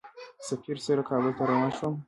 سفیر سره کابل ته روان شوم.